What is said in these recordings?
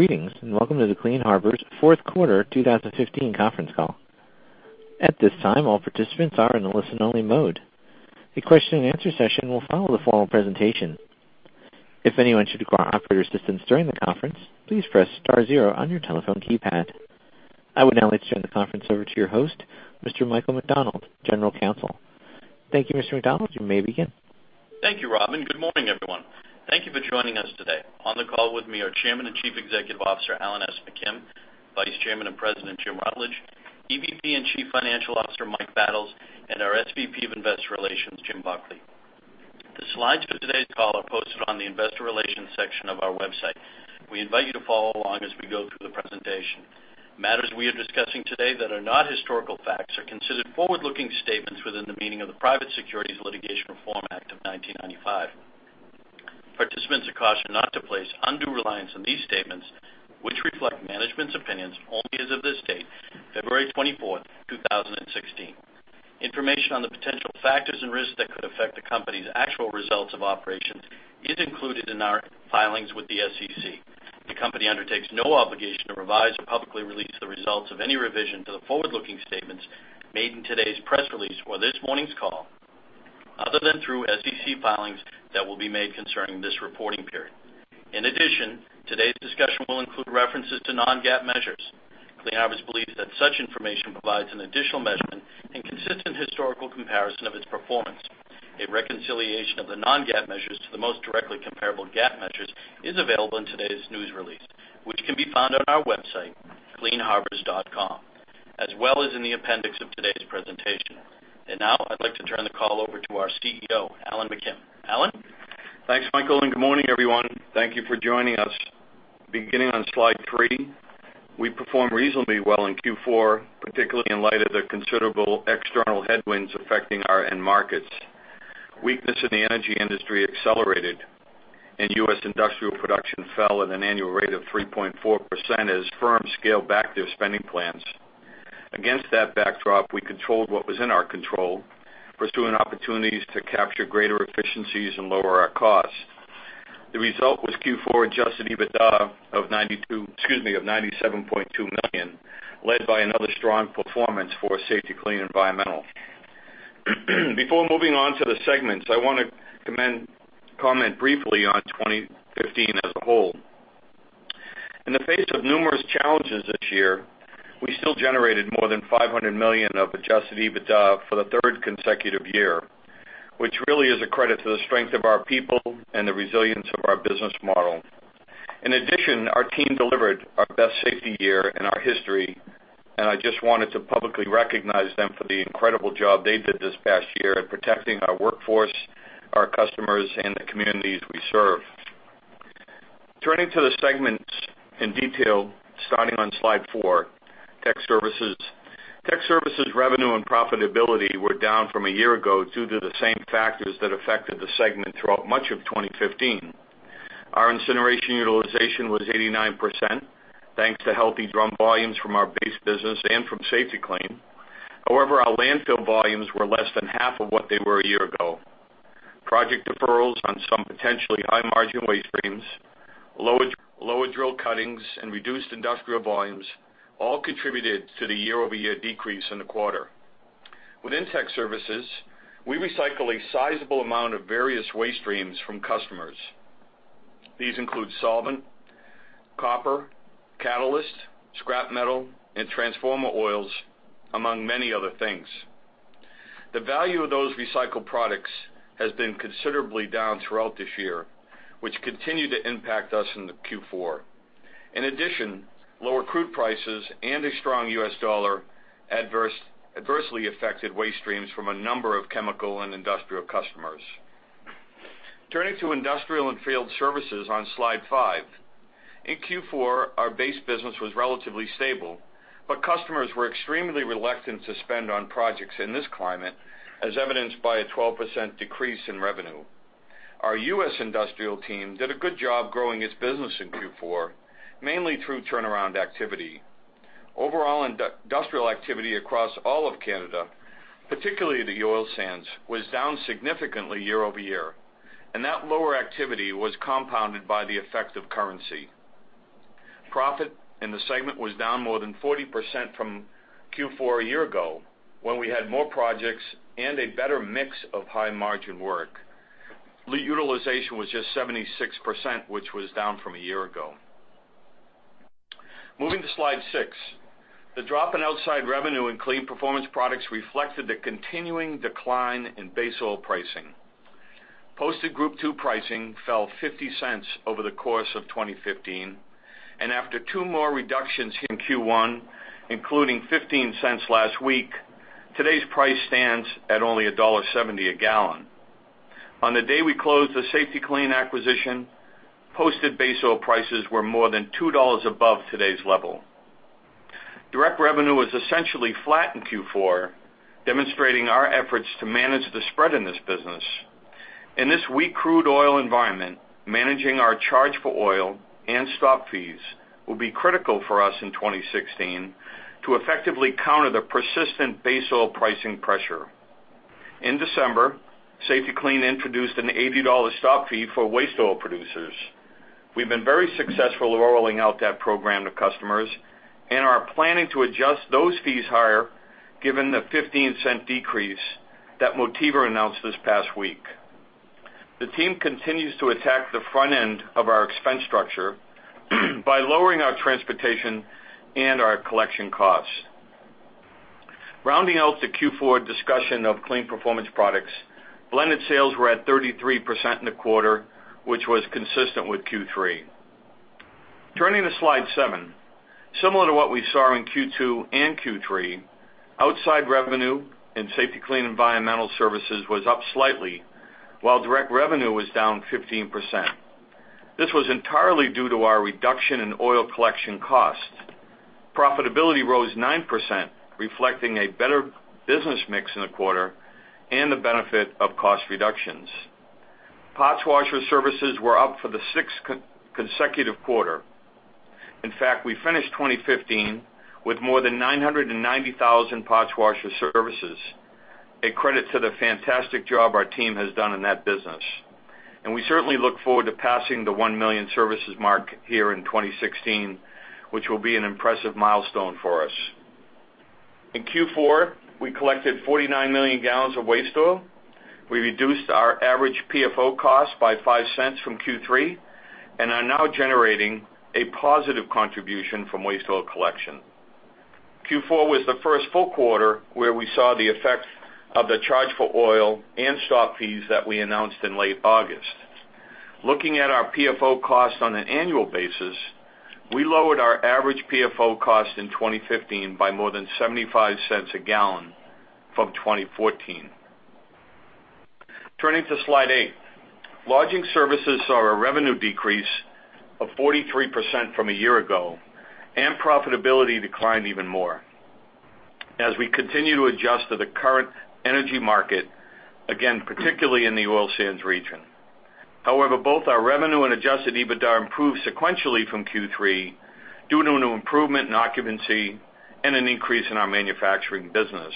Greetings, and welcome to the Clean Harbors 4th Quarter 2015 conference call. At this time, all participants are in a listen-only mode. The question-and-answer session will follow the formal presentation. If anyone should require operator assistance during the conference, please press star zero on your telephone keypad. I would now like to turn the conference over to your host, Mr. Michael McDonald, General Counsel. Thank you, Mr. McDonald. You may begin. Thank you, Robin. Good morning, everyone. Thank you for joining us today. On the call with me are Chairman and Chief Executive Officer Alan S. McKim, Vice Chairman and President Jim Rutledge, EVP and Chief Financial Officer Mike Battles, and our SVP of Investor Relations, Jim Buckley. The slides for today's call are posted on the Investor Relations section of our website. We invite you to follow along as we go through the presentation. Matters we are discussing today that are not historical facts are considered forward-looking statements within the meaning of the Private Securities Litigation Reform Act of 1995. Participants are cautioned not to place undue reliance on these statements, which reflect management's opinions only as of this date, February 24, 2016. Information on the potential factors and risks that could affect the company's actual results of operations is included in our filings with the SEC. The company undertakes no obligation to revise or publicly release the results of any revision to the forward-looking statements made in today's press release or this morning's call, other than through SEC filings that will be made concerning this reporting period. In addition, today's discussion will include references to non-GAAP measures. Clean Harbors believes that such information provides an additional measurement and consistent historical comparison of its performance. A reconciliation of the non-GAAP measures to the most directly comparable GAAP measures is available in today's news release, which can be found on our website, cleanharbors.com, as well as in the appendix of today's presentation. And now, I'd like to turn the call over to our CEO, Alan McKim. Alan? Thanks, Michael, and good morning, everyone. Thank you for joining us. Beginning on slide 3, we performed reasonably well in Q4, particularly in light of the considerable external headwinds affecting our end markets. Weakness in the energy industry accelerated, and U.S. industrial production fell at an annual rate of 3.4% as firms scaled back their spending plans. Against that backdrop, we controlled what was in our control, pursuing opportunities to capture greater efficiencies and lower our costs. The result was Q4 adjusted EBITDA of $97.2 million, led by another strong performance for Safety-Kleen Environmental. Before moving on to the segments, I want to comment briefly on 2015 as a whole. In the face of numerous challenges this year, we still generated more than $500 million of Adjusted EBITDA for the third consecutive year, which really is a credit to the strength of our people and the resilience of our business model. In addition, our team delivered our best safety year in our history, and I just wanted to publicly recognize them for the incredible job they did this past year in protecting our workforce, our customers, and the communities we serve. Turning to the segments in detail, starting on slide 4, Tech Services. Tech Services revenue and profitability were down from a year ago due to the same factors that affected the segment throughout much of 2015. Our incineration utilization was 89%, thanks to healthy drum volumes from our base business and from Safety-Kleen. However, our landfill volumes were less than half of what they were a year ago. Project deferrals on some potentially high-margin waste streams, lower drill cuttings, and reduced industrial volumes all contributed to the year-over-year decrease in the quarter. Within tech services, we recycle a sizable amount of various waste streams from customers. These include solvent, copper, catalyst, scrap metal, and transformer oils, among many other things. The value of those recycled products has been considerably down throughout this year, which continued to impact us in Q4. In addition, lower crude prices and a strong U.S. dollar adversely affected waste streams from a number of chemical and industrial customers. Turning to Industrial and Field Services on slide 5, in Q4, our base business was relatively stable, but customers were extremely reluctant to spend on projects in this climate, as evidenced by a 12% decrease in revenue. Our U.S. industrial team did a good job growing its business in Q4, mainly through turnaround activity. Overall, industrial activity across all of Canada, particularly the oil sands, was down significantly year-over-year, and that lower activity was compounded by the effect of currency. Profit in the segment was down more than 40% from Q4 a year ago when we had more projects and a better mix of high-margin work. Utilization was just 76%, which was down from a year ago. Moving to slide 6, the drop in outside revenue in Kleen Performance Products reflected the continuing decline in base oil pricing. Posted Group II pricing fell $0.50 over the course of 2015, and after two more reductions in Q1, including $0.15 last week, today's price stands at only $1.70 a gallon. On the day we closed the Safety-Kleen acquisition, posted base oil prices were more than $2 above today's level. Direct revenue was essentially flat in Q4, demonstrating our efforts to manage the spread in this business. In this weak crude oil environment, managing our charge for oil and stop fees will be critical for us in 2016 to effectively counter the persistent base oil pricing pressure. In December, Safety-Kleen introduced an $80 stop fee for waste oil producers. We've been very successful in rolling out that program to customers and are planning to adjust those fees higher given the $0.15 decrease that Motiva announced this past week. The team continues to attack the front end of our expense structure by lowering our transportation and our collection costs. Rounding out the Q4 discussion of Kleen Performance Products, blended sales were at 33% in the quarter, which was consistent with Q3. Turning to slide 7, similar to what we saw in Q2 and Q3, outside revenue in Safety-Kleen Environmental Services was up slightly, while direct revenue was down 15%. This was entirely due to our reduction in oil collection costs. Profitability rose 9%, reflecting a better business mix in the quarter and the benefit of cost reductions. Parts washer services were up for the sixth consecutive quarter. In fact, we finished 2015 with more than 990,000 parts washer services, a credit to the fantastic job our team has done in that business. And we certainly look forward to passing the 1 million services mark here in 2016, which will be an impressive milestone for us. In Q4, we collected 49 million gallons of waste oil. We reduced our average PFO cost by $0.05 from Q3 and are now generating a positive contribution from waste oil collection. Q4 was the first full quarter where we saw the effect of the charge for oil and stop fees that we announced in late August. Looking at our PFO cost on an annual basis, we lowered our average PFO cost in 2015 by more than $0.75 a gallon from 2014. Turning to slide 8, Lodging Services saw a revenue decrease of 43% from a year ago, and profitability declined even more as we continue to adjust to the current energy market, again, particularly in the oil sands region. However, both our revenue and adjusted EBITDA improved sequentially from Q3 due to an improvement in occupancy and an increase in our manufacturing business.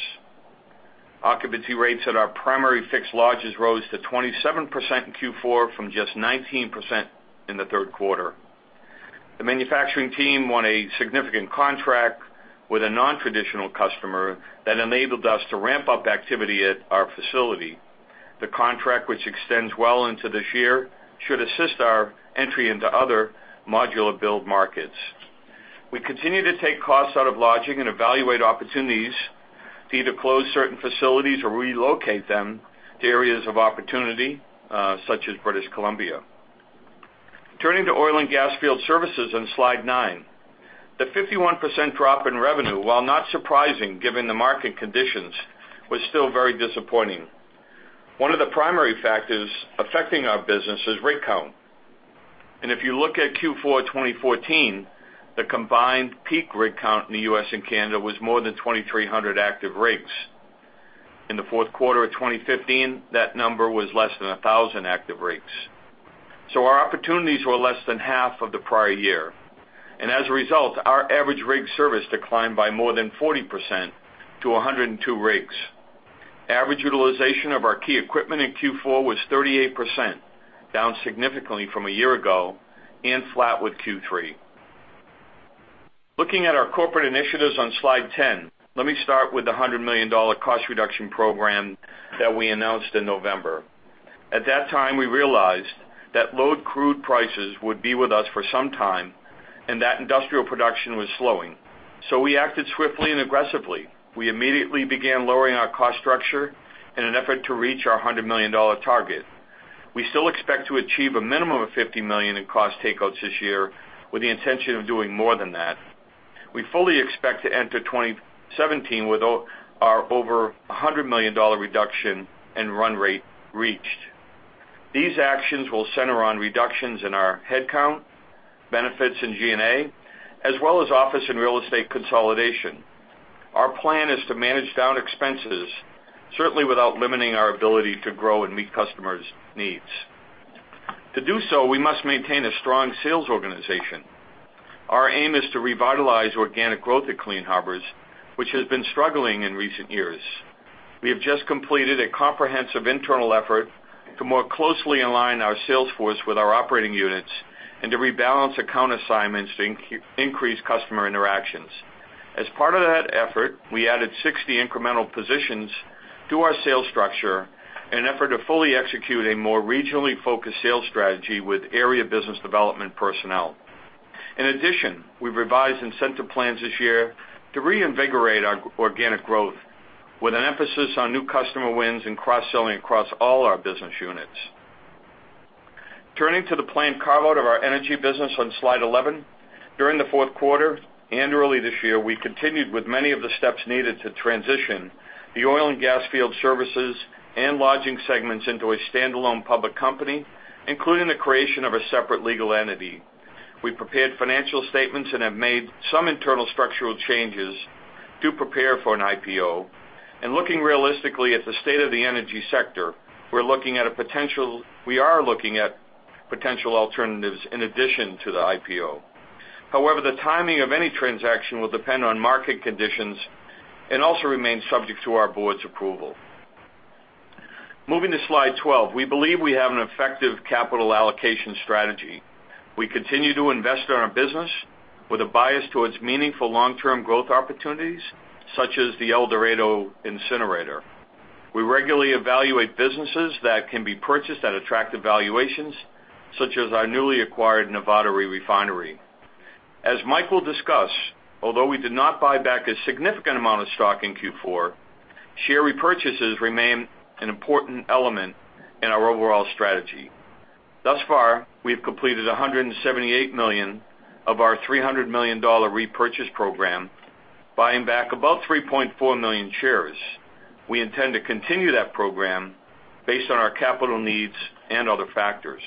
Occupancy rates at our primary fixed lodges rose to 27% in Q4 from just 19% in the third quarter. The manufacturing team won a significant contract with a non-traditional customer that enabled us to ramp up activity at our facility. The contract, which extends well into this year, should assist our entry into other modular build markets. We continue to take costs out of lodging and evaluate opportunities to either close certain facilities or relocate them to areas of opportunity, such as British Columbia. Turning to Oil and Gas Field Services on slide 9, the 51% drop in revenue, while not surprising given the market conditions, was still very disappointing. One of the primary factors affecting our business is rig count. If you look at Q4 2014, the combined peak rig count in the U.S. and Canada was more than 2,300 active rigs. In the fourth quarter of 2015, that number was less than 1,000 active rigs. Our opportunities were less than half of the prior year. As a result, our average rig service declined by more than 40% to 102 rigs. Average utilization of our key equipment in Q4 was 38%, down significantly from a year ago, and flat with Q3. Looking at our corporate initiatives on slide 10, let me start with the $100 million cost reduction program that we announced in November. At that time, we realized that low crude prices would be with us for some time and that industrial production was slowing. We acted swiftly and aggressively. We immediately began lowering our cost structure in an effort to reach our $100 million target. We still expect to achieve a minimum of $50 million in cost takeouts this year with the intention of doing more than that. We fully expect to enter 2017 with our over $100 million reduction and run rate reached. These actions will center on reductions in our head count, benefits, and G&A, as well as office and real estate consolidation. Our plan is to manage down expenses, certainly without limiting our ability to grow and meet customers' needs. To do so, we must maintain a strong sales organization. Our aim is to revitalize organic growth at Clean Harbors, which has been struggling in recent years. We have just completed a comprehensive internal effort to more closely align our sales force with our operating units and to rebalance account assignments to increase customer interactions. As part of that effort, we added 60 incremental positions to our sales structure in an effort to fully execute a more regionally focused sales strategy with area business development personnel. In addition, we've revised incentive plans this year to reinvigorate our organic growth with an emphasis on new customer wins and cross-selling across all our business units. Turning to the planned carve-out of our energy business on slide 11, during the fourth quarter and early this year, we continued with many of the steps needed to transition the Oil and Gas Field Services and lodging segments into a standalone public company, including the creation of a separate legal entity. We prepared financial statements and have made some internal structural changes to prepare for an IPO. Looking realistically at the state of the energy sector, we are looking at potential alternatives in addition to the IPO. However, the timing of any transaction will depend on market conditions and also remain subject to our board's approval. Moving to slide 12, we believe we have an effective capital allocation strategy. We continue to invest in our business with a bias towards meaningful long-term growth opportunities, such as the El Dorado Incinerator. We regularly evaluate businesses that can be purchased at attractive valuations, such as our newly acquired Nevada Refinery. As Michael discussed, although we did not buy back a significant amount of stock in Q4, share repurchases remain an important element in our overall strategy. Thus far, we've completed $178 million of our $300 million repurchase program, buying back about 3.4 million shares. We intend to continue that program based on our capital needs and other factors.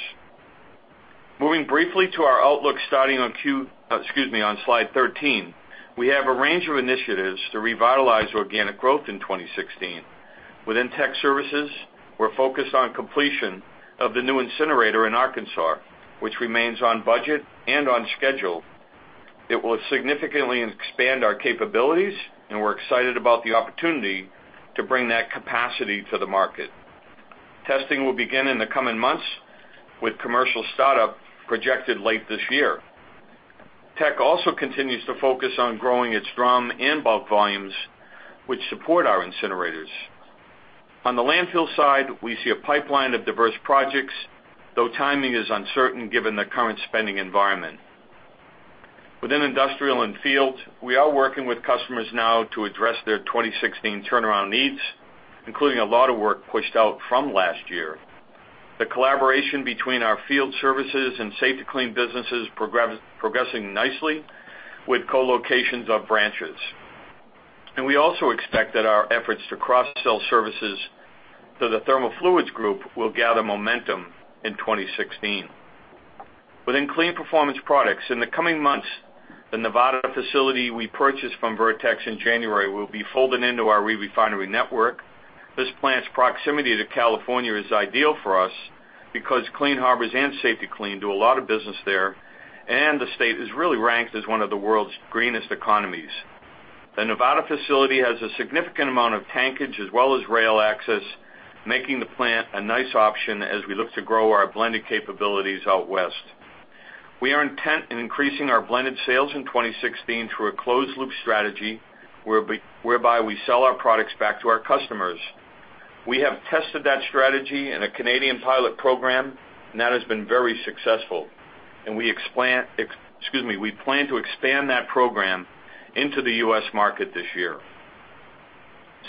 Moving briefly to our outlook starting on slide 13, we have a range of initiatives to revitalize organic growth in 2016. Within Tech Services, we're focused on completion of the new incinerator in Arkansas, which remains on budget and on schedule. It will significantly expand our capabilities, and we're excited about the opportunity to bring that capacity to the market. Testing will begin in the coming months with commercial startup projected late this year. Tech also continues to focus on growing its drum and bulk volumes, which support our incinerators. On the landfill side, we see a pipeline of diverse projects, though timing is uncertain given the current spending environment. Within industrial and field, we are working with customers now to address their 2016 turnaround needs, including a lot of work pushed out from last year. The collaboration between our field services and Safety-Kleen businesses is progressing nicely with co-locations of branches. We also expect that our efforts to cross-sell services to the Thermo Fluids Group will gather momentum in 2016. Within Kleen Performance Products, in the coming months, the Nevada facility we purchased from Vertex in January will be folded into our re-refinery network. This plant's proximity to California is ideal for us because Clean Harbors and Safety-Kleen do a lot of business there, and the state is really ranked as one of the world's greenest economies. The Nevada facility has a significant amount of tankage as well as rail access, making the plant a nice option as we look to grow our blended capabilities out west. We are intent on increasing our blended sales in 2016 through a closed-loop strategy whereby we sell our products back to our customers. We have tested that strategy in a Canadian pilot program, and that has been very successful. We plan to expand that program into the U.S. market this year.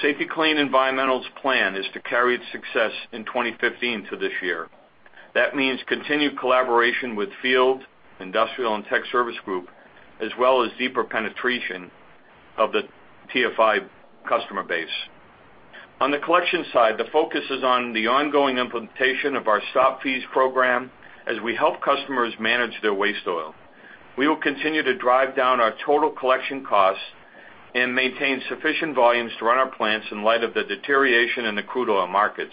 Safety-Kleen's plan is to carry its success in 2015 to this year. That means continued collaboration with field, industrial, and tech service groups, as well as deeper penetration of the TFI customer base. On the collection side, the focus is on the ongoing implementation of our stop fees program as we help customers manage their waste oil. We will continue to drive down our total collection costs and maintain sufficient volumes to run our plants in light of the deterioration in the crude oil markets.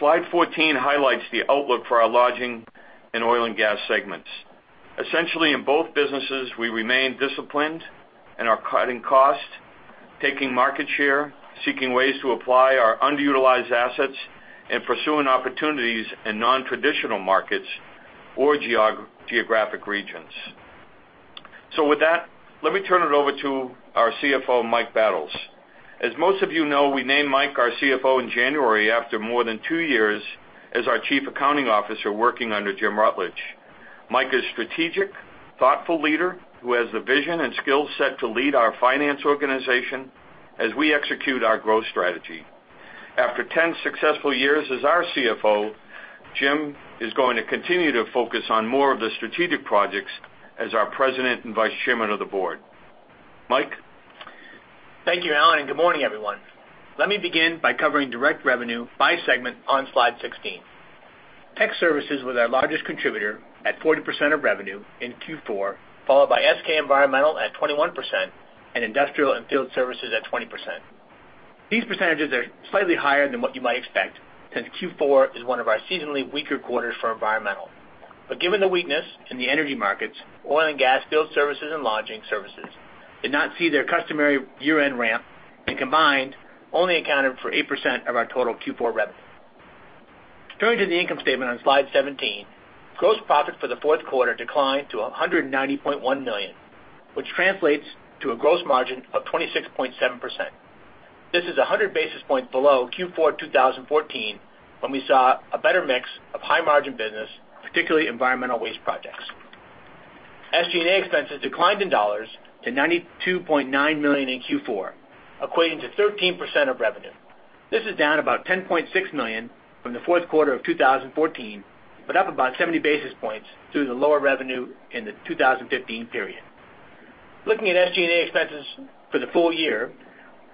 Slide 14 highlights the outlook for our Lodging and Oil and Gas segments. Essentially, in both businesses, we remain disciplined in our cutting costs, taking market share, seeking ways to apply our underutilized assets, and pursuing opportunities in non-traditional markets or geographic regions. With that, let me turn it over to our CFO, Mike Battles. As most of you know, we named Mike our CFO in January after more than two years as our Chief Accounting Officer working under Jim Rutledge. Mike is a strategic, thoughtful leader who has the vision and skill set to lead our finance organization as we execute our growth strategy. After 10 successful years as our CFO, Jim is going to continue to focus on more of the strategic projects as our President and Vice Chairman of the Board. Mike. Thank you, Alan, and good morning, everyone. Let me begin by covering direct revenue by segment on slide 16. Tech Services were our largest contributor at 40% of revenue in Q4, followed by SK Environmental at 21% and Industrial and Field Services at 20%. These percentages are slightly higher than what you might expect since Q4 is one of our seasonally weaker quarters for Environmental. But given the weakness in the energy markets, Oil and Gas Field Services and Lodging Services did not see their customary year-end ramp and combined only accounted for 8% of our total Q4 revenue. Turning to the income statement on slide 17, gross profit for the fourth quarter declined to $190.1 million, which translates to a gross margin of 26.7%. This is 100 basis points below Q4 2014 when we saw a better mix of high-margin business, particularly environmental waste projects. SG&A expenses declined in dollars to $92.9 million in Q4, equating to 13% of revenue. This is down about $10.6 million from the fourth quarter of 2014, but up about 70 basis points through the lower revenue in the 2015 period. Looking at SG&A expenses for the full year,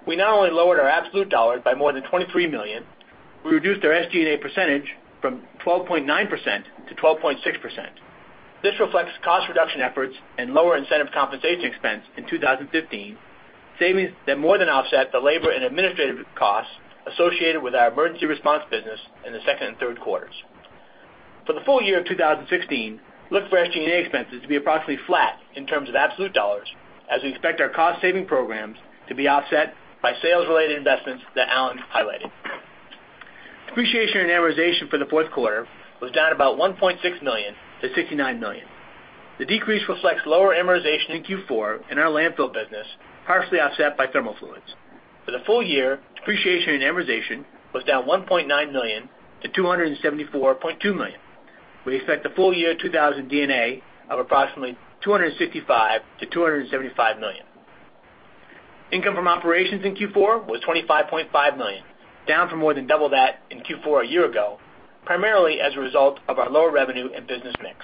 we not only lowered our absolute dollar by more than $23 million, we reduced our SG&A percentage from 12.9%-12.6%. This reflects cost reduction efforts and lower incentive compensation expense in 2015, savings that more than offset the labor and administrative costs associated with our emergency response business in the second and third quarters. For the full year of 2016, look for SG&A expenses to be approximately flat in terms of absolute dollars as we expect our cost-saving programs to be offset by sales-related investments that Alan highlighted. Depreciation and amortization for the fourth quarter was down about $1.6 million to $69 million. The decrease reflects lower amortization in Q4 in our landfill business, partially offset by thermal fluids. For the full year, depreciation and amortization was down $1.9 million-$274.2 million. We expect the full year 2015 EBITDA of approximately $265 million-$275 million. Income from operations in Q4 was $25.5 million, down from more than double that in Q4 a year ago, primarily as a result of our lower revenue and business mix.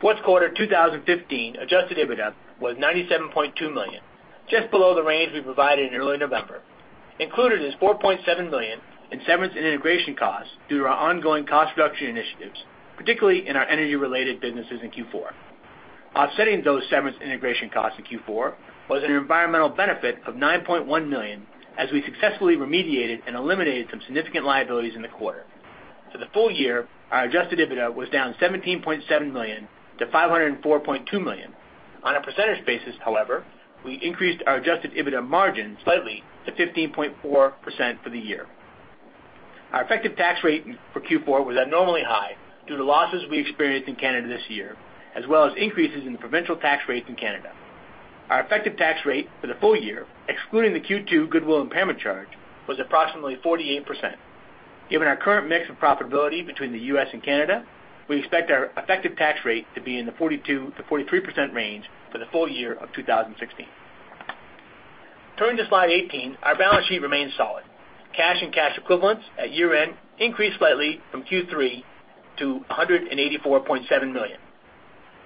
Fourth quarter 2015 adjusted EBITDA was $97.2 million, just below the range we provided in early November. Included is $4.7 million in severance and integration costs due to our ongoing cost reduction initiatives, particularly in our energy-related businesses in Q4. Offsetting those severance integration costs in Q4 was an environmental benefit of $9.1 million as we successfully remediated and eliminated some significant liabilities in the quarter. For the full year, our adjusted EBITDA was down $17.7 million-$504.2 million. On a percentage basis, however, we increased our adjusted EBITDA margin slightly to 15.4% for the year. Our effective tax rate for Q4 was abnormally high due to losses we experienced in Canada this year, as well as increases in the provincial tax rates in Canada. Our effective tax rate for the full year, excluding the Q2 Goodwill Impairment Charge, was approximately 48%. Given our current mix of profitability between the U.S. and Canada, we expect our effective tax rate to be in the 42%-43% range for the full year of 2016. Turning to slide 18, our balance sheet remains solid. Cash and cash equivalents at year-end increased slightly from Q3 to $184.7 million.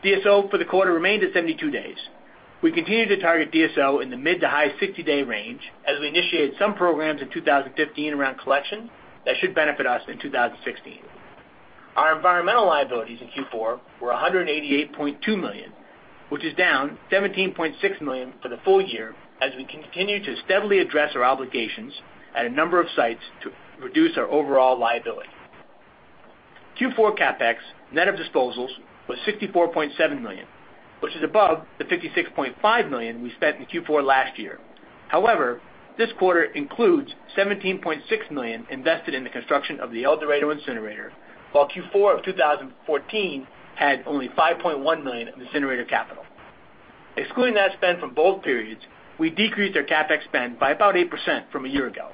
DSO for the quarter remained at 72 days. We continue to target DSO in the mid to high 60-day range as we initiated some programs in 2015 around collection that should benefit us in 2016. Our environmental liabilities in Q4 were $188.2 million, which is down $17.6 million for the full year as we continue to steadily address our obligations at a number of sites to reduce our overall liability. Q4 CapEx net of disposals was $64.7 million, which is above the $56.5 million we spent in Q4 last year. However, this quarter includes $17.6 million invested in the construction of the El Dorado Incinerator, while Q4 of 2014 had only $5.1 million of incinerator capital. Excluding that spend from both periods, we decreased our CapEx spend by about 8% from a year ago.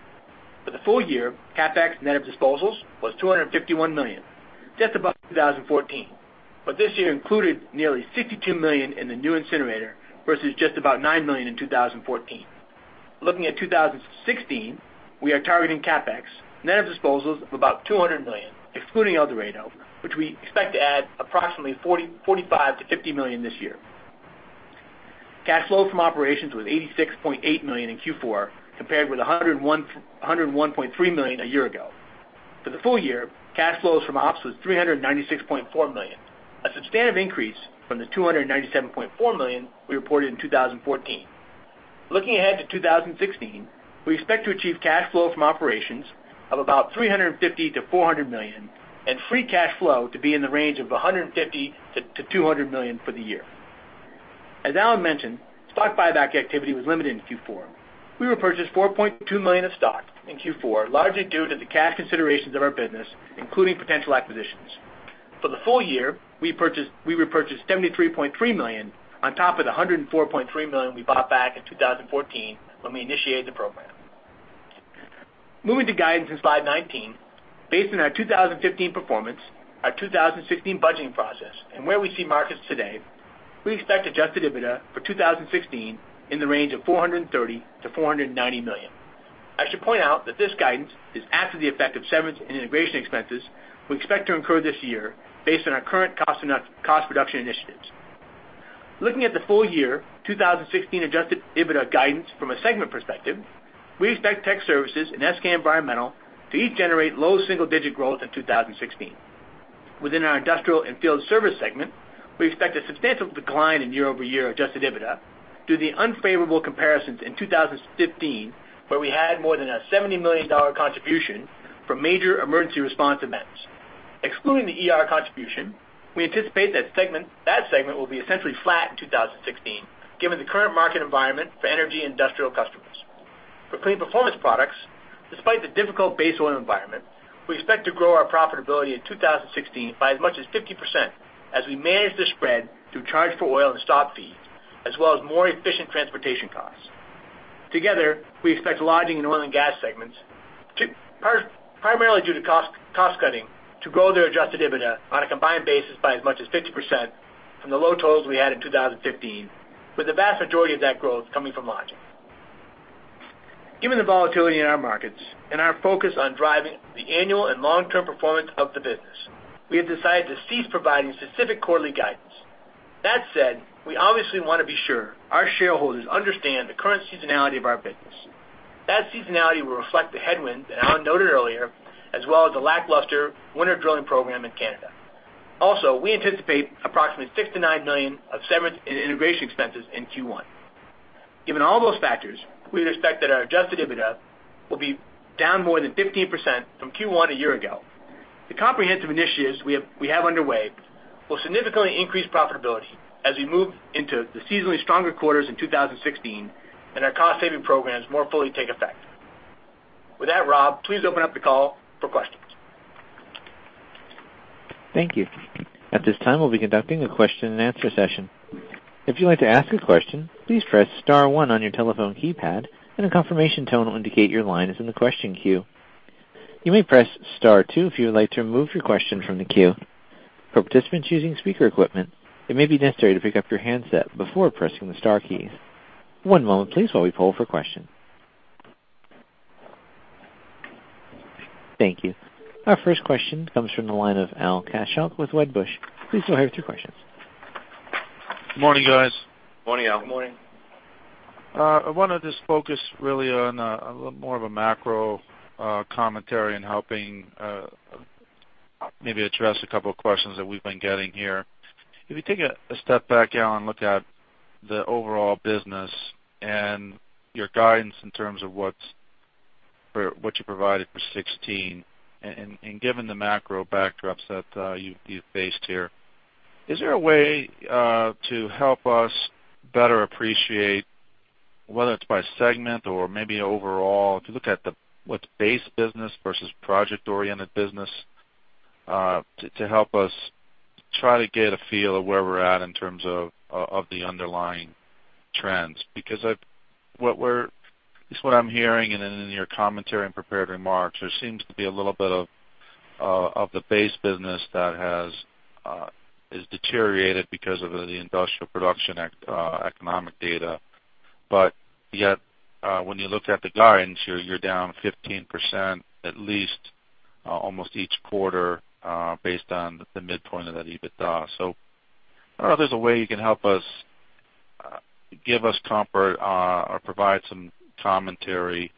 For the full year, CapEx net of disposals was $251 million, just above 2014, but this year included nearly $62 million in the new incinerator versus just about $9 million in 2014. Looking at 2016, we are targeting CapEx net of disposals of about $200 million, excluding El Dorado, which we expect to add approximately $45 million-$50 million this year. Cash flow from operations was $86.8 million in Q4, compared with $101.3 million a year ago. For the full year, cash flows from ops was $396.4 million, a substantial increase from the $297.4 million we reported in 2014. Looking ahead to 2016, we expect to achieve cash flow from operations of about $350 million-$400 million and free cash flow to be in the range of $150 million-$200 million for the year. As Alan mentioned, stock buyback activity was limited in Q4. We repurchased $4.2 million of stock in Q4, largely due to the cash considerations of our business, including potential acquisitions. For the full year, we repurchased $73.3 million on top of the $104.3 million we bought back in 2014 when we initiated the program. Moving to guidance in slide 19, based on our 2015 performance, our 2016 budgeting process, and where we see markets today, we expect Adjusted EBITDA for 2016 in the range of $430 million-$490 million. I should point out that this guidance is after the effect of severance and integration expenses we expect to incur this year based on our current cost reduction initiatives. Looking at the full year 2016 Adjusted EBITDA guidance from a segment perspective, we expect Tech Services and SK Environmental to each generate low single-digit growth in 2016. Within our industrial and field service segment, we expect a substantial decline in year-over-year Adjusted EBITDA due to the unfavorable comparisons in 2015, where we had more than a $70 million contribution from major emergency response events. Excluding the contribution, we anticipate that segment will be essentially flat in 2016, given the current market environment for energy and industrial customers. For Kleen Performance Products, despite the difficult base oil environment, we expect to grow our profitability in 2016 by as much as 50% as we manage the spread through charge for oil and stop fees, as well as more efficient transportation costs. Together, we expect Lodging and Oil and Gas segments, primarily due to cost cutting, to grow their Adjusted EBITDA on a combined basis by as much as 50% from the low totals we had in 2015, with the vast majority of that growth coming from lodging. Given the volatility in our markets and our focus on driving the annual and long-term performance of the business, we have decided to cease providing specific quarterly guidance. That said, we obviously want to be sure our shareholders understand the current seasonality of our business. That seasonality will reflect the headwinds that Alan noted earlier, as well as the lackluster winter drilling program in Canada. Also, we anticipate approximately $6 million-$9 million of severance and integration expenses in Q1. Given all those factors, we would expect that our Adjusted EBITDA will be down more than 15% from Q1 a year ago. The comprehensive initiatives we have underway will significantly increase profitability as we move into the seasonally stronger quarters in 2016 and our cost-saving programs more fully take effect. With that, Rob, please open up the call for questions. Thank you. At this time, we'll be conducting a question-and-answer session. If you'd like to ask a question, please press star one on your telephone keypad, and a confirmation tone will indicate your line is in the question queue. You may press star two if you would like to remove your question from the queue. For participants using speaker equipment, it may be necessary to pick up your handset before pressing the star keys. One moment, please, while we pull for a question. Thank you. Our first question comes from the line of Al Kaschalk with Wedbush. Please go ahead with your questions. Good morning, guys. Morning, Al. Good morning. I wanted to focus really on a little more of a macro commentary and helping maybe address a couple of questions that we've been getting here. If you take a step back, Al, and look at the overall business and your guidance in terms of what you provided for 2016, and given the macro backdrops that you've faced here, is there a way to help us better appreciate, whether it's by segment or maybe overall, to look at what's base business versus project-oriented business, to help us try to get a feel of where we're at in terms of the underlying trends? Because what I'm hearing and in your commentary and prepared remarks, there seems to be a little bit of the base business that has deteriorated because of the Industrial Production and economic data. But yet, when you look at the guidance, you're down 15% at least almost each quarter based on the midpoint of that EBITDA. So, I don't know if there's a way you can help us, give us comfort, or provide some commentary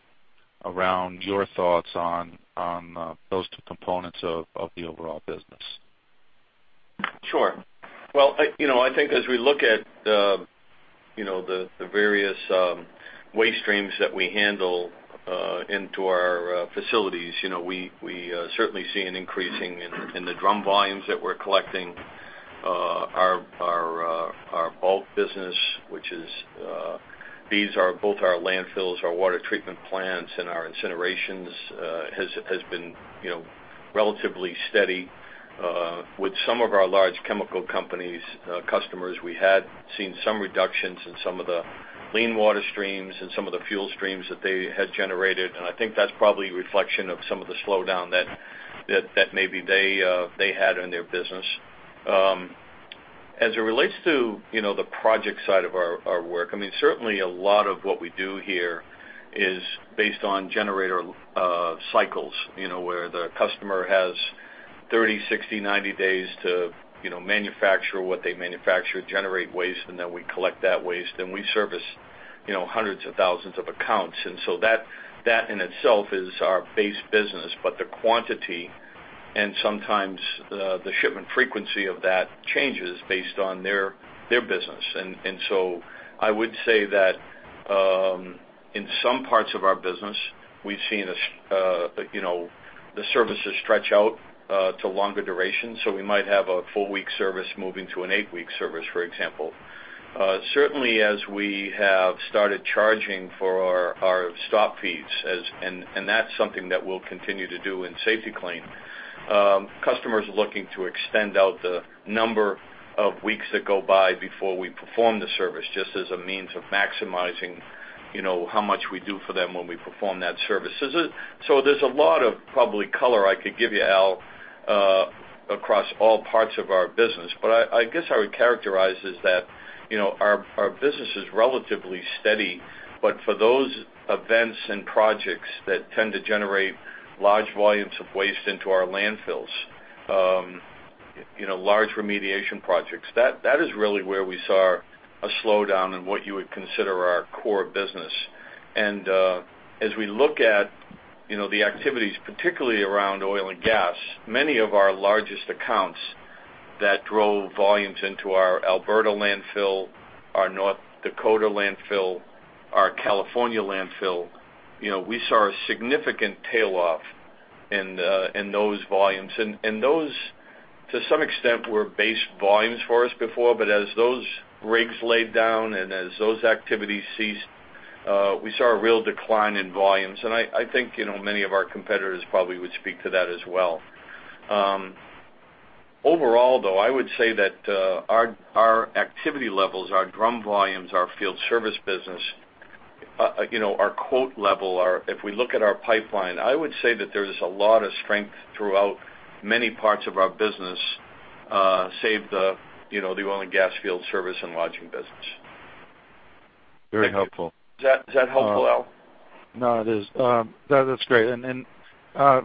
around your thoughts on those two components of the overall business. Sure. Well, I think as we look at the various waste streams that we handle into our facilities, we certainly see an increase in the drum volumes that we're collecting. Our bulk business, which feeds both our landfills, our water treatment plants, and our incinerators, has been relatively steady. With some of our large chemical companies' customers, we had seen some reductions in some of the lean water streams and some of the fuel streams that they had generated. And I think that's probably a reflection of some of the slowdown that maybe they had in their business. As it relates to the project side of our work, I mean, certainly a lot of what we do here is based on generator cycles, where the customer has 30, 60, 90 days to manufacture what they manufacture, generate waste, and then we collect that waste, and we service hundreds of thousands of accounts. And so that in itself is our base business, but the quantity and sometimes the shipment frequency of that changes based on their business. And so I would say that in some parts of our business, we've seen the services stretch out to longer durations. So we might have a four-week service moving to an eight-week service, for example. Certainly, as we have started charging for our stop fees, and that's something that we'll continue to do in Safety-Kleen, customers are looking to extend out the number of weeks that go by before we perform the service just as a means of maximizing how much we do for them when we perform that service. So there's a lot of probably color I could give you, Al, across all parts of our business. But I guess I would characterize it as that our business is relatively steady, but for those events and projects that tend to generate large volumes of waste into our landfills, large remediation projects, that is really where we saw a slowdown in what you would consider our core business. As we look at the activities, particularly around oil and gas, many of our largest accounts that drove volumes into our Alberta landfill, our North Dakota landfill, our California landfill, we saw a significant tail off in those volumes. Those, to some extent, were base volumes for us before, but as those rigs laid down and as those activities ceased, we saw a real decline in volumes. I think many of our competitors probably would speak to that as well. Overall, though, I would say that our activity levels, our drum volumes, our field service business, our quote level, if we look at our pipeline, I would say that there is a lot of strength throughout many parts of our business, save the oil and gas field service and lodging business. Very helpful. Is that helpful, Al? No, it is. That's great. And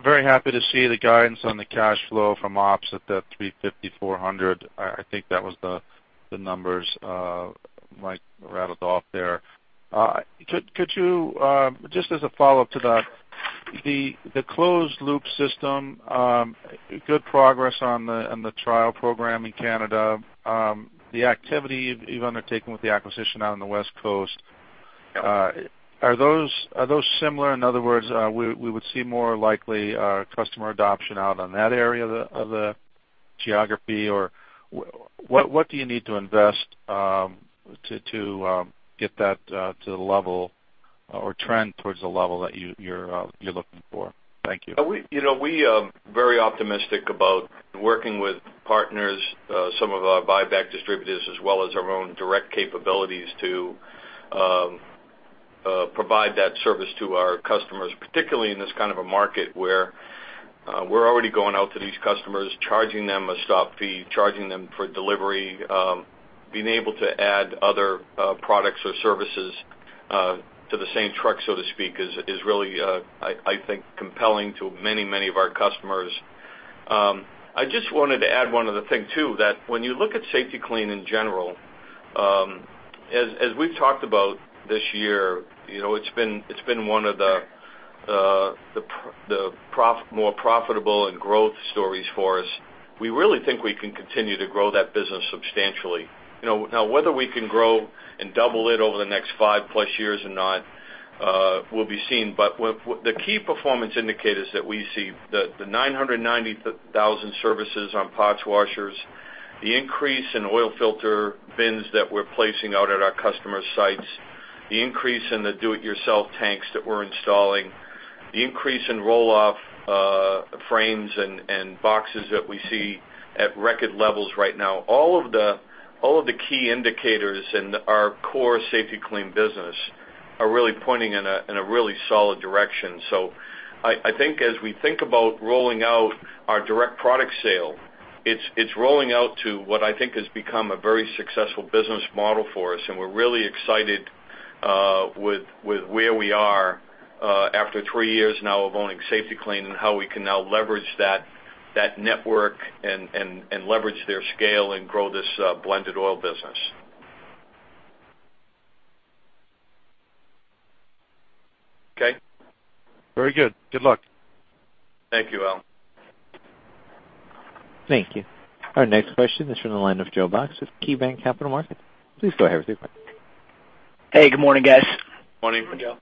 very happy to see the guidance on the cash flow from ops at the $350-$400. I think that was the numbers Mike rattled off there. Could you, just as a follow-up to that, the closed-loop system, good progress on the trial program in Canada, the activity you've undertaken with the acquisition out on the West Coast, are those similar? In other words, we would see more likely customer adoption out on that area of the geography, or what do you need to invest to get that to the level or trend towards the level that you're looking for? Thank you. We are very optimistic about working with partners, some of our buyback distributors, as well as our own direct capabilities to provide that service to our customers, particularly in this kind of a market where we're already going out to these customers, charging them a stop fee, charging them for delivery, being able to add other products or services to the same truck, so to speak, is really, I think, compelling to many, many of our customers. I just wanted to add one other thing too, that when you look at Safety-Kleen in general, as we've talked about this year, it's been one of the more profitable and growth stories for us. We really think we can continue to grow that business substantially. Now, whether we can grow and double it over the next five-plus years or not will be seen. But the key performance indicators that we see, the 990,000 services on parts washers, the increase in oil filter bins that we're placing out at our customer sites, the increase in the do-it-yourself tanks that we're installing, the increase in roll-off frames and boxes that we see at record levels right now, all of the key indicators in our core Safety-Kleen business are really pointing in a really solid direction. So I think as we think about rolling out our direct product sale, it's rolling out to what I think has become a very successful business model for us. And we're really excited with where we are after three years now of owning Safety-Kleen and how we can now leverage that network and leverage their scale and grow this blended oil business. Okay. Very good. Good luck. Thank you, Al. Thank you. Our next question is from the line of Joe Box at KeyBanc Capital Markets. Please go ahead with your question. Hey, good morning, guys. Morning. Good morning, Joe.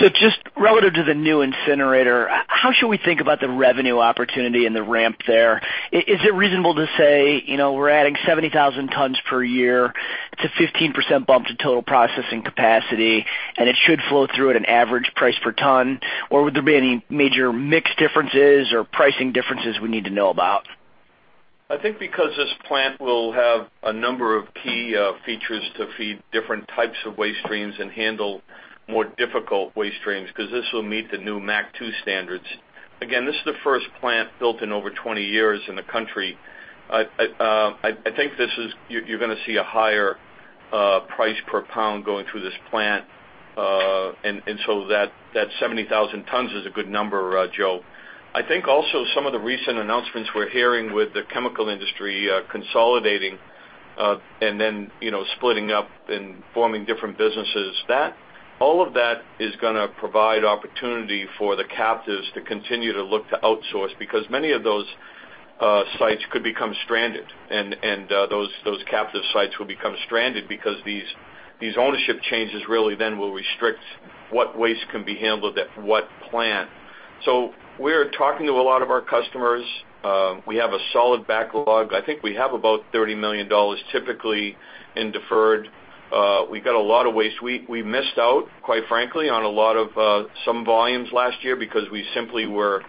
So just relative to the new incinerator, how should we think about the revenue opportunity and the ramp there? Is it reasonable to say we're adding 70,000 tons per year to 15% bump to total processing capacity, and it should flow through at an average price per ton? Or would there be any major mix differences or pricing differences we need to know about? I think because this plant will have a number of key features to feed different types of waste streams and handle more difficult waste streams because this will meet the new MACT standards. Again, this is the first plant built in over 20 years in the country. I think you're going to see a higher price per pound going through this plant. So that 70,000 tons is a good number, Joe. I think also some of the recent announcements we're hearing with the chemical industry consolidating and then splitting up and forming different businesses, all of that is going to provide opportunity for the captives to continue to look to outsource because many of those sites could become stranded. Those captive sites will become stranded because these ownership changes really then will restrict what waste can be handled at what plant. So we're talking to a lot of our customers. We have a solid backlog. I think we have about $30 million typically in deferred. We got a lot of waste. We missed out, quite frankly, on a lot of some volumes last year because we simply were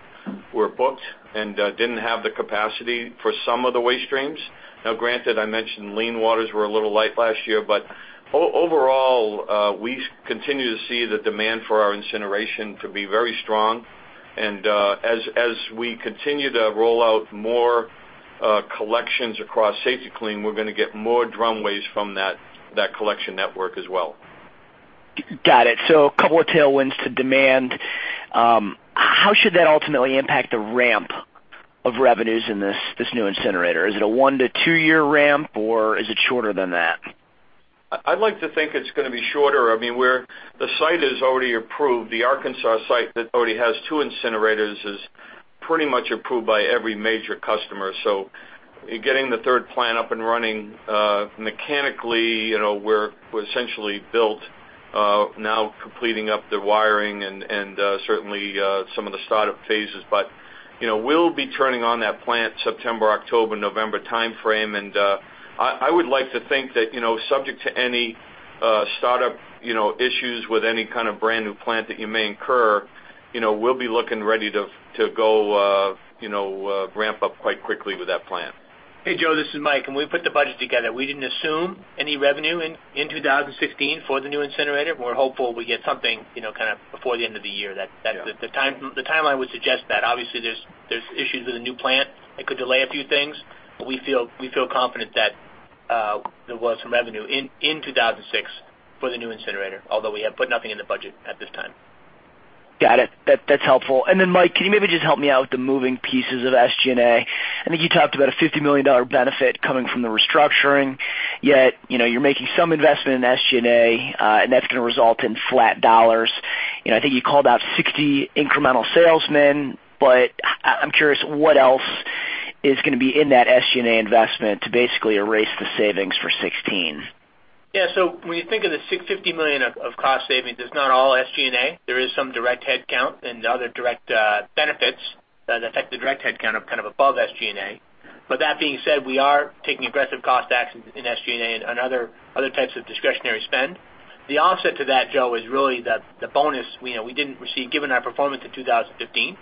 booked and didn't have the capacity for some of the waste streams. Now, granted, I mentioned lean waters were a little light last year, but overall, we continue to see the demand for our incineration to be very strong. And as we continue to roll out more collections across Safety-Kleen, we're going to get more drum waste from that collection network as well. Got it. So a couple of tailwinds to demand. How should that ultimately impact the ramp of revenues in this new incinerator? Is it a one to two year ramp, or is it shorter than that? I'd like to think it's going to be shorter. I mean, the site is already approved. The Arkansas site that already has two incinerators is pretty much approved by every major customer. So getting the third plant up and running mechanically, we're essentially built now, completing up the wiring and certainly some of the startup phases. But we'll be turning on that plant September, October, November timeframe. And I would like to think that subject to any startup issues with any kind of brand new plant that you may incur, we'll be looking ready to go ramp up quite quickly with that plant. Hey, Joe, this is Mike. When we put the budget together, we didn't assume any revenue in 2016 for the new incinerator. We're hopeful we get something kind of before the end of the year. The timeline would suggest that. Obviously, there's issues with the new plant. It could delay a few things. But we feel confident that there was some revenue in 2016 for the new incinerator, although we have put nothing in the budget at this time. Got it. That's helpful. And then, Mike, can you maybe just help me out with the moving pieces of SG&A? I think you talked about a $50 million benefit coming from the restructuring, yet you're making some investment in SG&A, and that's going to result in flat dollars. I think you called out 60 incremental salesmen, but I'm curious what else is going to be in that SG&A investment to basically erase the savings for 2016. Yeah. So when you think of the $50 million of cost savings, it's not all SG&A. There is some direct headcount and other direct benefits that affect the direct headcount of kind of above SG&A. But that being said, we are taking aggressive cost actions in SG&A and other types of discretionary spend. The offset to that, Joe, is really the bonus we didn't receive given our performance in 2015,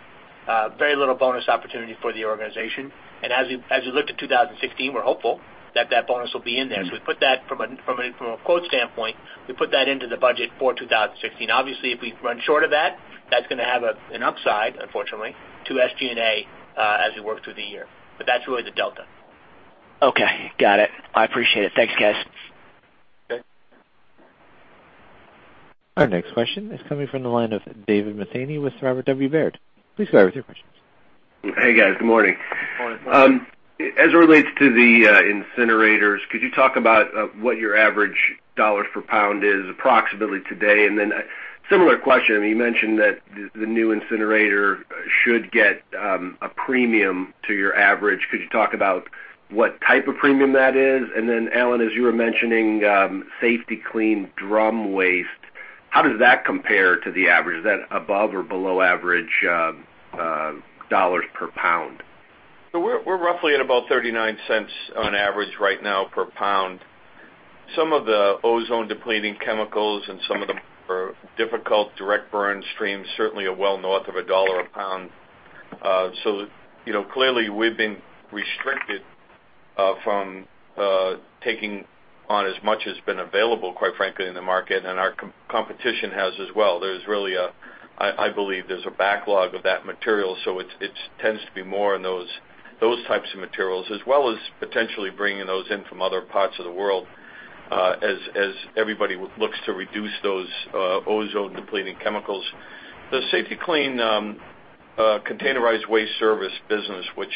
very little bonus opportunity for the organization. And as we look to 2016, we're hopeful that that bonus will be in there. So we put that from a quote standpoint, we put that into the budget for 2016. Obviously, if we run short of that, that's going to have an upside, unfortunately, to SG&A as we work through the year. But that's really the delta. Okay. Got it. I appreciate it. Thanks, guys. Okay. Our next question is coming from the line of David Manthey with Robert W. Baird. Please go ahead with your questions. Hey, guys. Good morning. As it relates to the incinerators, could you talk about what your average dollars per pound is approximately today? And then a similar question. You mentioned that the new incinerator should get a premium to your average. Could you talk about what type of premium that is? And then, Alan, as you were mentioning Safety-Kleen drum waste, how does that compare to the average? Is that above or below average dollars per pound? So we're roughly at about $0.39 on average right now per pound. Some of the ozone depleting chemicals and some of the more difficult direct burn streams, certainly are well north of $1 a pound. So clearly, we've been restricted from taking on as much as been available, quite frankly, in the market, and our competition has as well. There's really, I believe, there's a backlog of that material. So it tends to be more in those types of materials, as well as potentially bringing those in from other parts of the world as everybody looks to reduce those ozone depleting chemicals. The Safety-Kleen containerized waste service business, which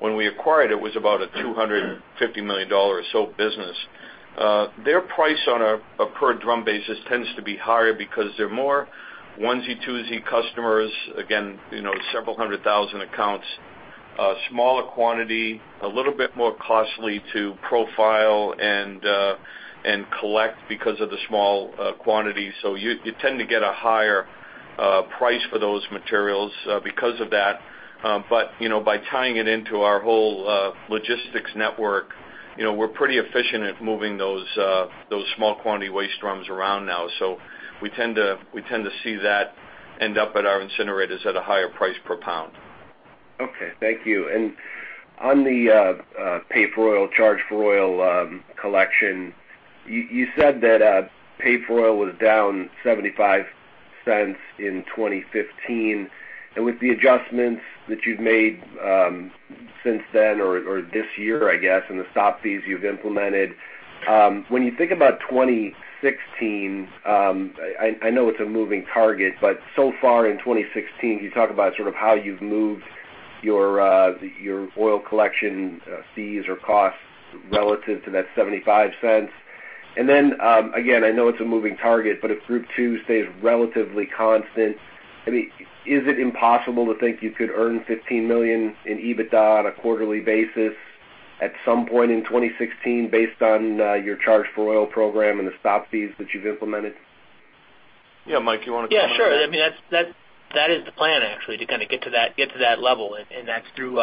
when we acquired, it was about a $250 million or so business, their price on a per drum basis tends to be higher because they're more onesie, twosie customers, again, several hundred thousand accounts, smaller quantity, a little bit more costly to profile and collect because of the small quantity. So you tend to get a higher price for those materials because of that. But by tying it into our whole logistics network, we're pretty efficient at moving those small quantity waste drums around now. So we tend to see that end up at our incinerators at a higher price per pound. Okay. Thank you. On the pay-for-oil, charge-for-oil collection, you said that pay-for-oil was down $0.75 in 2015. With the adjustments that you've made since then or this year, I guess, and the stop fees you've implemented, when you think about 2016, I know it's a moving target, but so far in 2016, can you talk about sort of how you've moved your oil collection fees or costs relative to that $0.75? And then, again, I know it's a moving target, but if Group II stays relatively constant, I mean, is it impossible to think you could earn $15 million in EBITDA on a quarterly basis at some point in 2016 based on your charge-for-oil program and the stop fees that you've implemented? Yeah, Mike, do you want to come in? Yeah, sure. I mean, that is the plan, actually, to kind of get to that level. And that's through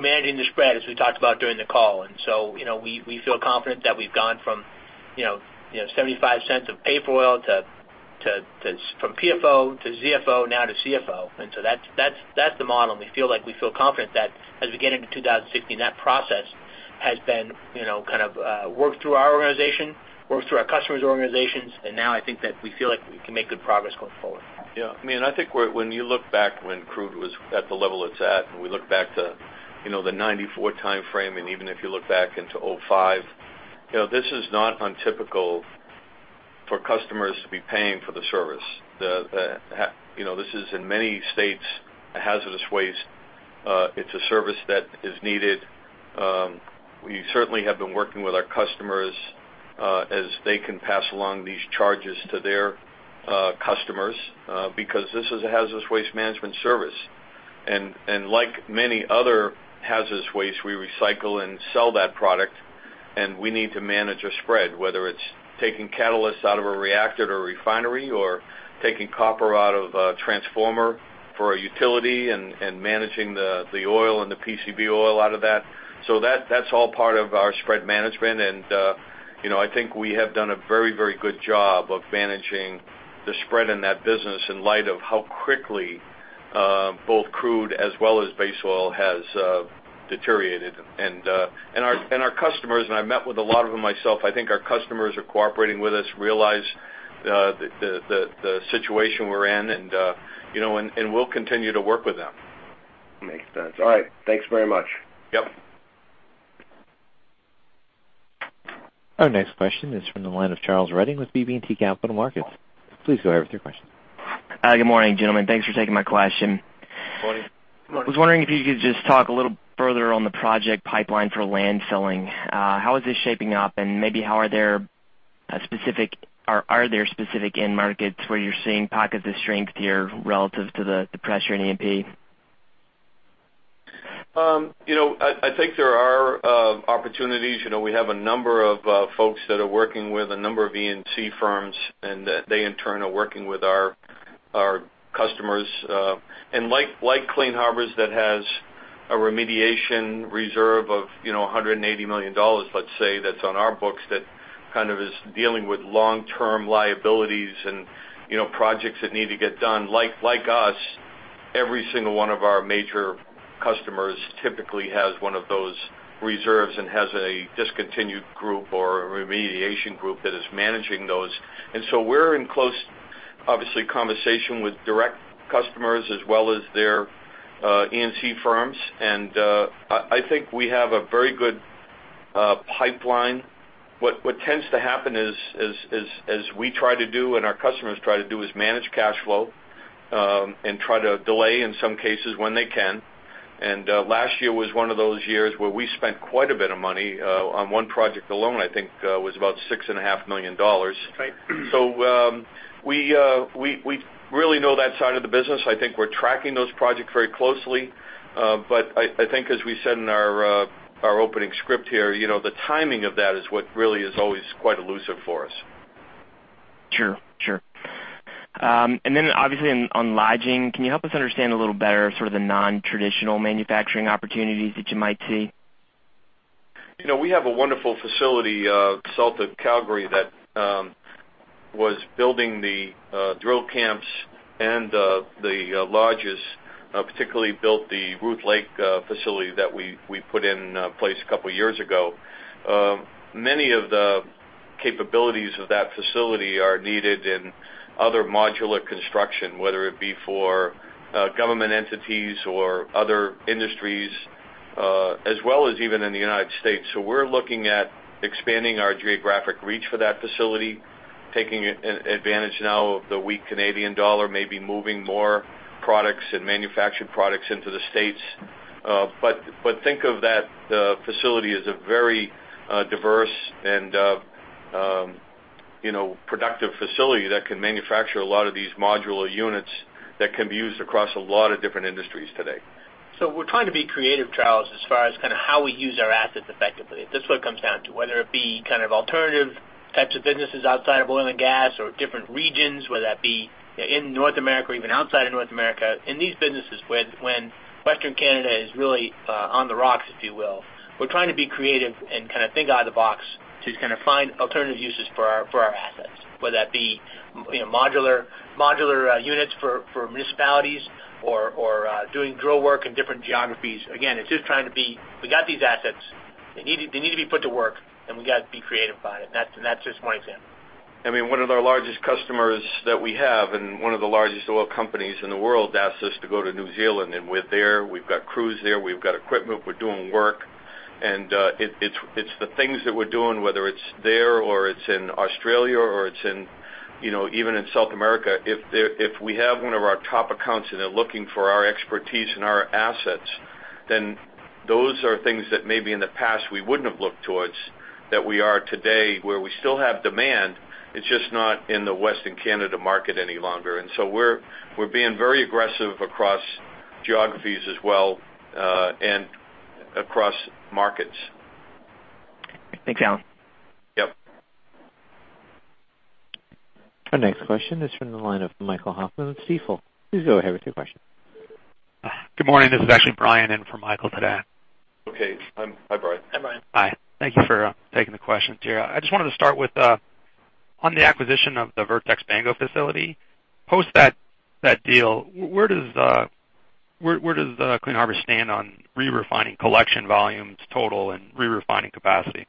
managing the spread, as we talked about during the call. And so we feel confident that we've gone from $0.75 of pay-for-oil from PFO to ZFO, now to CFO. And so that's the model. And we feel confident that as we get into 2016, that process has been kind of worked through our organization, worked through our customers' organizations. And now I think that we feel like we can make good progress going forward. Yeah. I mean, I think when you look back when crude was at the level it's at, and we look back to the 1994 timeframe, and even if you look back into 2005, this is not untypical for customers to be paying for the service. This is, in many states, a hazardous waste. It's a service that is needed. We certainly have been working with our customers as they can pass along these charges to their customers because this is a hazardous waste management service. And like many other hazardous waste, we recycle and sell that product. And we need to manage a spread, whether it's taking catalysts out of a reactor to a refinery or taking copper out of a transformer for a utility and managing the oil and the PCB oil out of that. So that's all part of our spread management. And I think we have done a very, very good job of managing the spread in that business in light of how quickly both crude as well as base oil has deteriorated. And our customers, and I've met with a lot of them myself, I think our customers are cooperating with us, realize the situation we're in, and we'll continue to work with them. Makes sense. All right. Thanks very much. Yep. Our next question is from the line of Charles Redding with BB&T Capital Markets. Please go ahead with your question. Good morning, gentlemen. Thanks for taking my question. Good morning. Good morning. I was wondering if you could just talk a little further on the project pipeline for landfilling. How is this shaping up? And maybe are there specific end markets where you're seeing pockets of strength here relative to the pressure in E&P? I think there are opportunities. We have a number of folks that are working with a number of E&C firms, and they, in turn, are working with our customers. And like Clean Harbors, that has a remediation reserve of $180 million, let's say, that's on our books that kind of is dealing with long-term liabilities and projects that need to get done. Like us, every single one of our major customers typically has one of those reserves and has a discontinued group or a remediation group that is managing those. And so we're in close, obviously, conversation with direct customers as well as their E&C firms. And I think we have a very good pipeline. What tends to happen is, as we try to do and our customers try to do, is manage cash flow and try to delay, in some cases, when they can. And last year was one of those years where we spent quite a bit of money on one project alone, I think it was about $6.5 million. So we really know that side of the business. I think we're tracking those projects very closely. But I think, as we said in our opening script here, the timing of that is what really is always quite elusive for us. Sure. Sure. And then, obviously, on lodging, can you help us understand a little better sort of the non-traditional manufacturing opportunities that you might see? We have a wonderful facility in Calgary that was building the drill camps and the lodges, particularly built the Ruth Lake facility that we put in place a couple of years ago. Many of the capabilities of that facility are needed in other modular construction, whether it be for government entities or other industries, as well as even in the United States. So we're looking at expanding our geographic reach for that facility, taking advantage now of the weak Canadian dollar, maybe moving more products and manufactured products into the States. But think of that facility as a very diverse and productive facility that can manufacture a lot of these modular units that can be used across a lot of different industries today. So we're trying to be creative, Charles, as far as kind of how we use our assets effectively. That's what it comes down to, whether it be kind of alternative types of businesses outside of oil and gas or different regions, whether that be in North America or even outside of North America. In these businesses, when Western Canada is really on the rocks, if you will, we're trying to be creative and kind of think out of the box to kind of find alternative uses for our assets, whether that be modular units for municipalities or doing drill work in different geographies. Again, it's just trying to be we got these assets. They need to be put to work, and we got to be creative about it. And that's just one example. I mean, one of our largest customers that we have and one of the largest oil companies in the world asked us to go to New Zealand. And we're there. We've got crews there. We've got equipment. We're doing work. And it's the things that we're doing, whether it's there or it's in Australia or it's even in South America, if we have one of our top accounts and they're looking for our expertise and our assets, then those are things that maybe in the past we wouldn't have looked towards that we are today, where we still have demand. It's just not in the Western Canada market any longer. And so we're being very aggressive across geographies as well and across markets. Thanks, Alan. Yep. Our next question is from the line of Michael Hoffman with Stifel. Please go ahead with your question. Good morning. This is actually Brian in from Michael today. Okay. Hi, Brian. Hi, Brian. Hi. Thank you for taking the questions, Jerry. I just wanted to start with, on the acquisition of the Vertex Bango facility, post that deal, where does Clean Harbors stand on re-refining collection volumes total and re-refining capacity?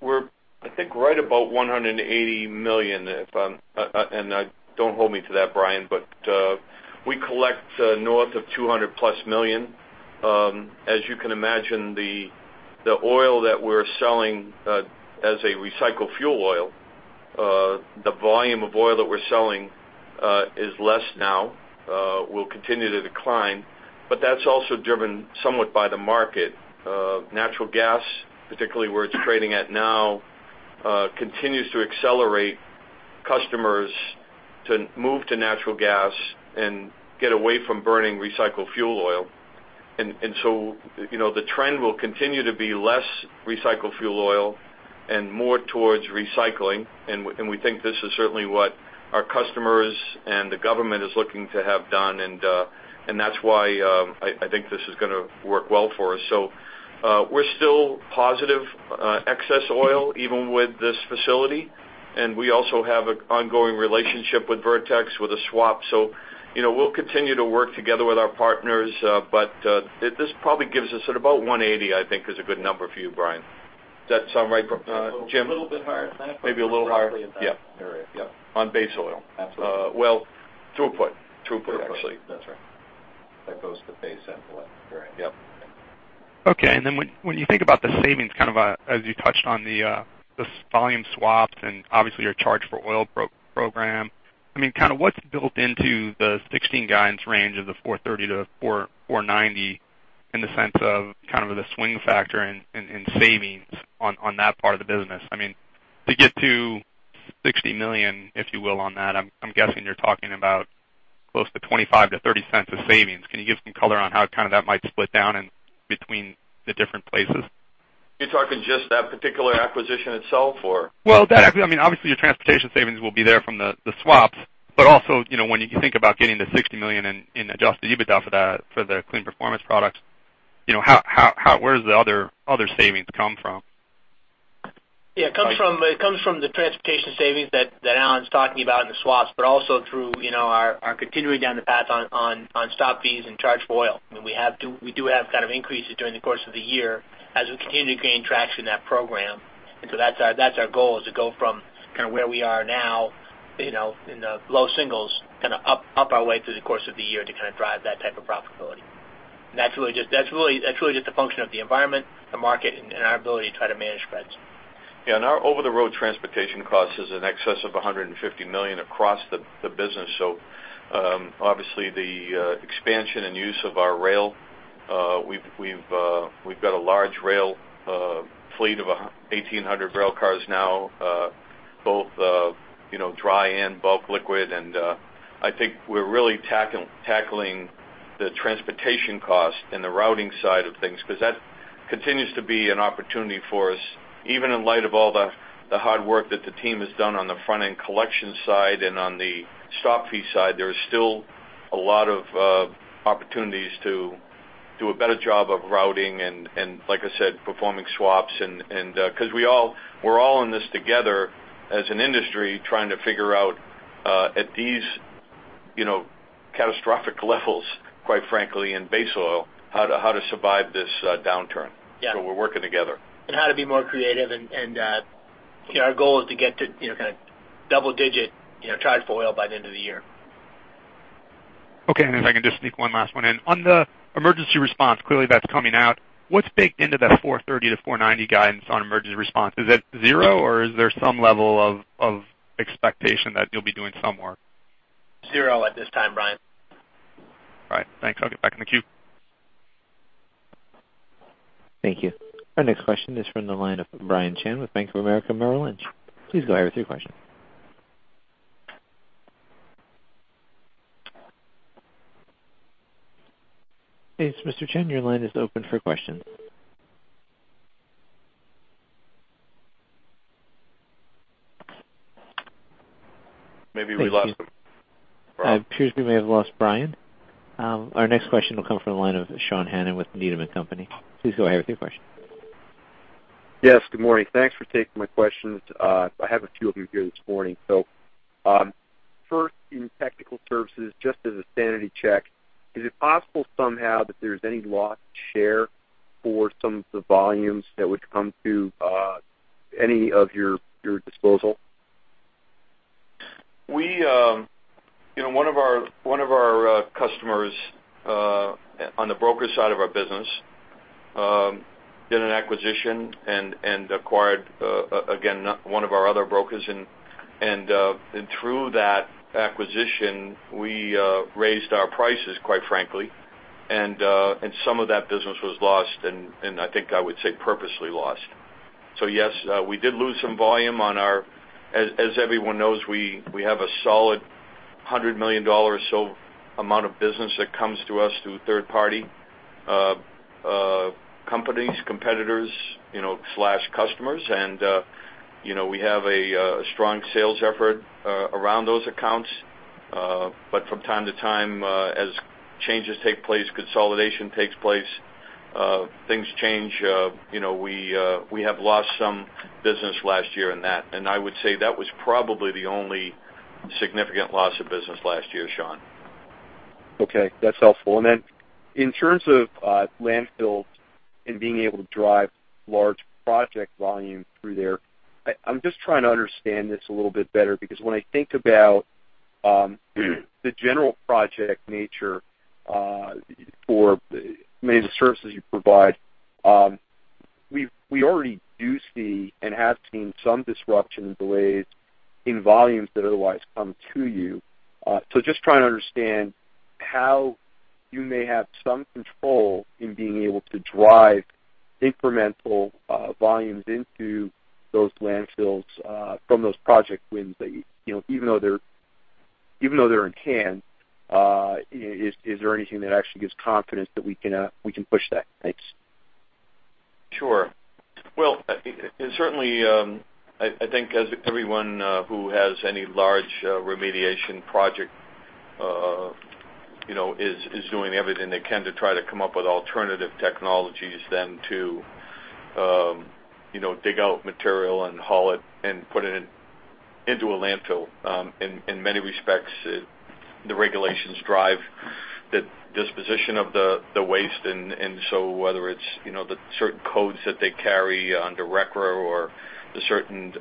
We're, I think, right about 180 million. And don't hold me to that, Brian, but we collect north of 200+ million. As you can imagine, the oil that we're selling as a recycled fuel oil, the volume of oil that we're selling is less now. We'll continue to decline. But that's also driven somewhat by the market. Natural gas, particularly where it's trading at now, continues to accelerate customers to move to natural gas and get away from burning recycled fuel oil. And so the trend will continue to be less recycled fuel oil and more towards recycling. And we think this is certainly what our customers and the government is looking to have done. And that's why I think this is going to work well for us. So we're still positive excess oil, even with this facility. And we also have an ongoing relationship with Vertex with a swap. So we'll continue to work together with our partners. But this probably gives us at about 180, I think, is a good number for you, Brian. Does that sound right, Jim? A little bit higher than that. Maybe a little higher. Yeah. All right. Yep. On base oil. Absolutely. Well, throughput, throughput, actually. That's right. That goes to base oil. All right. Yep. Okay. And then when you think about the savings, kind of as you touched on the volume swaps and obviously your charge-for-oil program, I mean, kind of what's built into the 2016 guidance range of the $430 million-$490 million in the sense of kind of the swing factor in savings on that part of the business? I mean, to get to $60 million, if you will, on that, I'm guessing you're talking about close to $0.25-$0.30 of savings. Can you give some color on how kind of that might split down between the different places? You're talking just that particular acquisition itself, or? Well, I mean, obviously, your transportation savings will be there from the swaps. But also, when you think about getting the $60 million and adjusting EBITDA for the Kleen Performance Products, where does the other savings come from? Yeah. It comes from the transportation savings that Alan's talking about in the swaps, but also through our continuing down the path on stop fees and charge-for-oil. I mean, we do have kind of increases during the course of the year as we continue to gain traction in that program. And so that's our goal, is to go from kind of where we are now in the low singles kind of up our way through the course of the year to kind of drive that type of profitability. And that's really just the function of the environment, the market, and our ability to try to manage spreads. Yeah. And our over-the-road transportation cost is in excess of $150 million across the business. So obviously, the expansion and use of our rail, we've got a large rail fleet of 1,800 rail cars now, both dry and bulk liquid. And I think we're really tackling the transportation cost and the routing side of things because that continues to be an opportunity for us. Even in light of all the hard work that the team has done on the front-end collection side and on the stop fee side, there are still a lot of opportunities to do a better job of routing and, like I said, performing swaps. And because we're all in this together as an industry trying to figure out, at these catastrophic levels, quite frankly, in base oil, how to survive this downturn. So we're working together. And how to be more creative. And our goal is to get to kind of double-digit charge-for-oil by the end of the year. Okay. And if I can just sneak one last one in. On the emergency response, clearly that's coming out. What's baked into that 430-490 guidance on emergency response? Is that zero, or is there some level of expectation that you'll be doing some work? Zero at this time, Brian. All right. Thanks. I'll get back in the queue. Thank you. Our next question is from the line of Brian Chin with Bank of America Merrill Lynch. Please go ahead with your question. Hey, it's Mr. Chin. Your line is open for questions. Maybe we lost him. It appears we may have lost Brian. Our next question will come from the line of Sean Hannan with Needham & Company. Please go ahead with your question. Yes. Good morning. Thanks for taking my questions. I have a few of them here this morning. So first, in technical services, just as a sanity check, is it possible somehow that there's any loss share for some of the volumes that would come to any of your disposal? One of our customers on the broker side of our business did an acquisition and acquired, again, one of our other brokers. And through that acquisition, we raised our prices, quite frankly. And some of that business was lost, and I think I would say purposely lost. So yes, we did lose some volume on our, as everyone knows, we have a solid $100 million or so amount of business that comes to us through third-party companies, competitors/customers. And we have a strong sales effort around those accounts. But from time to time, as changes take place, consolidation takes place, things change. We have lost some business last year in that. And I would say that was probably the only significant loss of business last year, Sean. Okay. That's helpful. And then in terms of landfills and being able to drive large project volume through there, I'm just trying to understand this a little bit better because when I think about the general project nature for many of the services you provide, we already do see and have seen some disruption and delays in volumes that otherwise come to you. So just trying to understand how you may have some control in being able to drive incremental volumes into those landfills from those project wins, even though they're in Canada. Is there anything that actually gives confidence that we can push that? Thanks. Sure. Well, certainly, I think everyone who has any large remediation project is doing everything they can to try to come up with alternative technologies then to dig out material and haul it and put it into a landfill. In many respects, the regulations drive the disposition of the waste. And so whether it's the certain codes that they carry under RCRA or the certain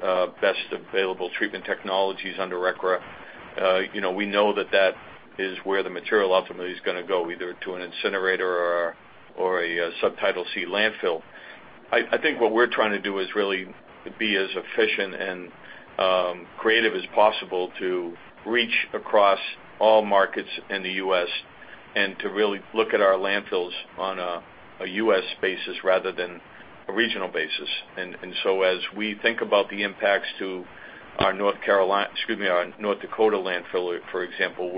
best available treatment technologies under RCRA, we know that that is where the material ultimately is going to go, either to an incinerator or a Subtitle C landfill. I think what we're trying to do is really be as efficient and creative as possible to reach across all markets in the U.S. and to really look at our landfills on a U.S. basis rather than a regional basis. And so as we think about the impacts to our North Carolina, excuse me, our North Dakota landfill, for example,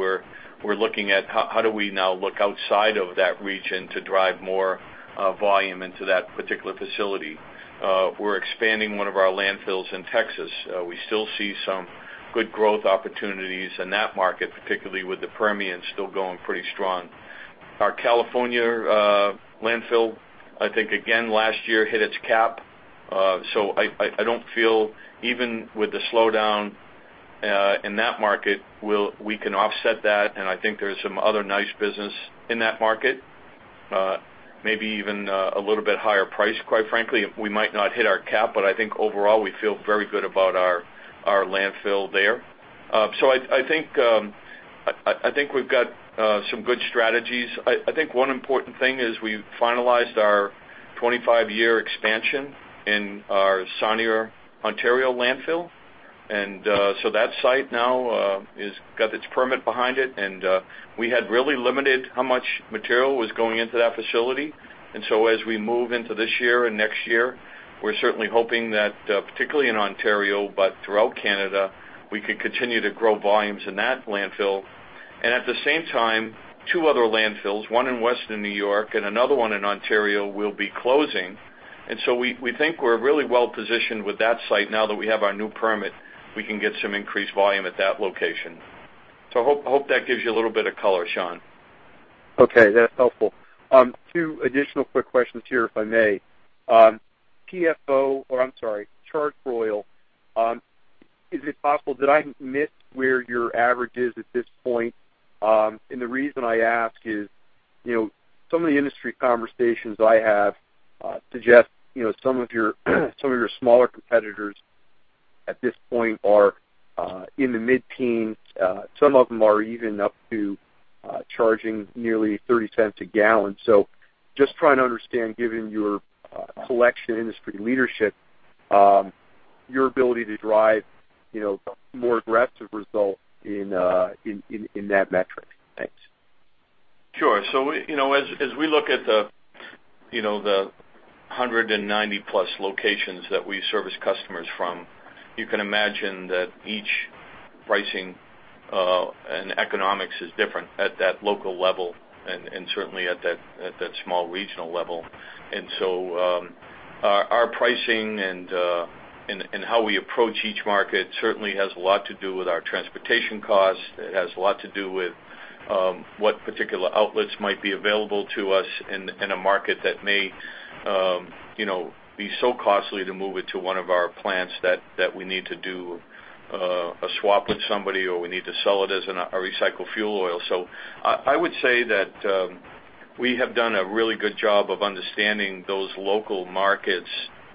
we're looking at how do we now look outside of that region to drive more volume into that particular facility. We're expanding one of our landfills in Texas. We still see some good growth opportunities in that market, particularly with the Permian still going pretty strong. Our California landfill, I think, again, last year hit its cap. So I don't feel, even with the slowdown in that market, we can offset that. And I think there's some other nice business in that market, maybe even a little bit higher price, quite frankly. We might not hit our cap, but I think overall, we feel very good about our landfill there. So I think we've got some good strategies. I think one important thing is we finalized our 25-year expansion in our Sarnia, Ontario landfill. So that site now has got its permit behind it. We had really limited how much material was going into that facility. So as we move into this year and next year, we're certainly hoping that, particularly in Ontario, but throughout Canada, we could continue to grow volumes in that landfill. At the same time, two other landfills, one in Western New York and another one in Ontario, will be closing. So we think we're really well positioned with that site now that we have our new permit. We can get some increased volume at that location. So I hope that gives you a little bit of color, Sean. Okay. That's helpful. Two additional quick questions here, if I may. PFO, or I'm sorry, charge-for-oil, is it possible, did I miss where your average is at this point? And the reason I ask is some of the industry conversations I have suggest some of your smaller competitors at this point are in the mid-teens. Some of them are even up to charging nearly $0.30 a gallon. So just trying to understand, given your selection industry leadership, your ability to drive more aggressive results in that metric. Thanks. Sure. So as we look at the 190 plus locations that we service customers from, you can imagine that each pricing and economics is different at that local level and certainly at that small regional level. And so our pricing and how we approach each market certainly has a lot to do with our transportation costs. It has a lot to do with what particular outlets might be available to us in a market that may be so costly to move it to one of our plants that we need to do a swap with somebody or we need to sell it as a recycled fuel oil. So I would say that we have done a really good job of understanding those local markets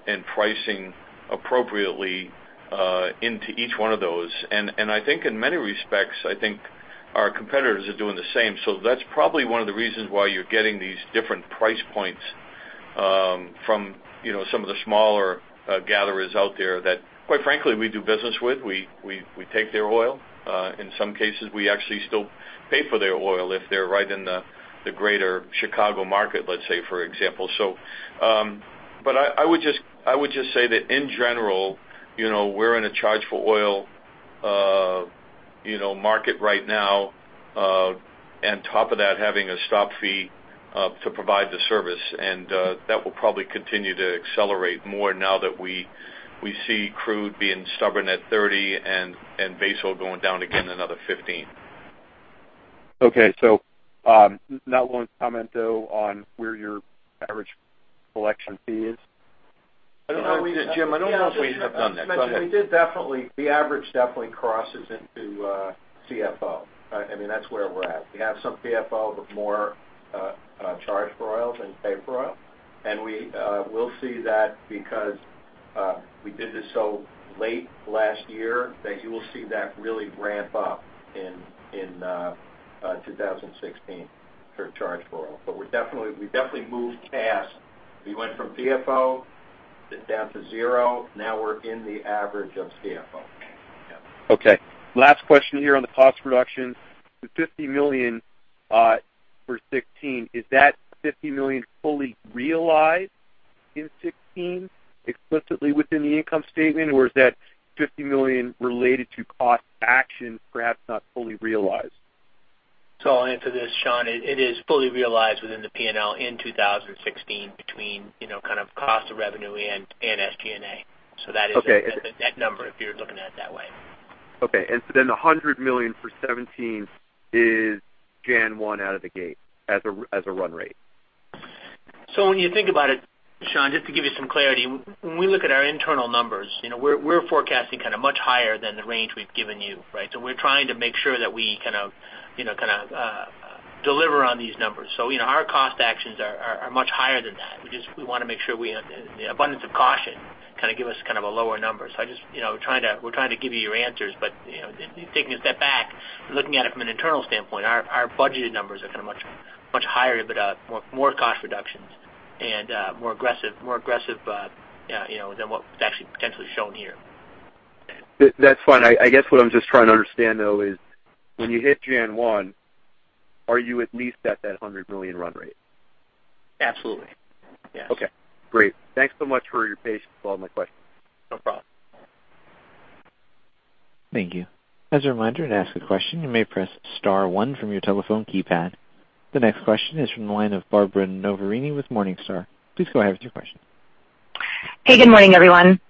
and pricing appropriately into each one of those. And I think in many respects, I think our competitors are doing the same. So that's probably one of the reasons why you're getting these different price points from some of the smaller gatherers out there that, quite frankly, we do business with. We take their oil. In some cases, we actually still pay for their oil if they're right in the greater Chicago market, let's say, for example. But I would just say that in general, we're in a charge-for-oil market right now, on top of that having a stop fee to provide the service. And that will probably continue to accelerate more now that we see crude being stubborn at $30 and base oil going down again another $15. Okay. So not one comment, though, on where your average collection fee is? I don't know if we—Jim, I don't know if we have done that. Go ahead. We did definitely—the average definitely crosses into CFO. I mean, that's where we're at. We have some PFO, but more charge-for-oil than pay-for-oil. And we'll see that because we did this so late last year that you will see that really ramp up in 2016 for charge-for-oil. But we definitely moved past. We went from PFO down to zero. Now we're in the average of CFO. Okay. Last question here on the cost reduction. The $50 million for 2016, is that $50 million fully realized in 2016 explicitly within the income statement, or is that $50 million related to cost action, perhaps not fully realized? So I'll answer this, Sean. It is fully realized within the P&L in 2016 between kind of cost of revenue and SG&A. So that is a net number if you're looking at it that way. Okay. And so then the $100 million for 2017 is January 1 out of the gate as a run rate? So when you think about it, Sean, just to give you some clarity, when we look at our internal numbers, we're forecasting kind of much higher than the range we've given you, right? So we're trying to make sure that we kind of deliver on these numbers. So our cost actions are much higher than that. We just want to make sure we have the abundance of caution kind of give us kind of a lower number. So we're trying to give you your answers, but taking a step back, looking at it from an internal standpoint, our budgeted numbers are kind of much higher with more cost reductions and more aggressive than what's actually potentially shown here. That's fine. I guess what I'm just trying to understand, though, is when you hit January 1, are you at least at that $100 million run rate? Absolutely. Yes. Okay. Great. Thanks so much for your patience with all my questions. No problem. Thank you. As a reminder to ask a question, you may press star one from your telephone keypad. The next question is from the line of Barbara Noverini with Morningstar. Please go ahead with your question. Hey, good morning, everyone.